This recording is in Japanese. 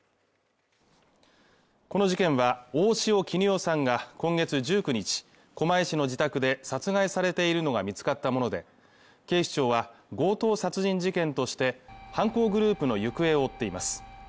この事件は大塩衣与さんが今月１９日狛江市の自宅で殺害されているのが見つかったもので警視庁は強盗殺人事件として犯行グループの行方を追っています